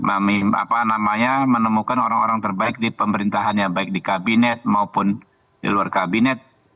apa namanya menemukan orang orang terbaik di pemerintahannya baik di kabinet maupun di luar kabinet